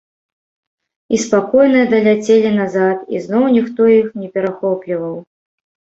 І спакойна даляцелі назад, і зноў ніхто іх не перахопліваў.